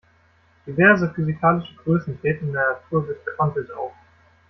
Diverse physikalische Größen treten in der Natur gequantelt auf.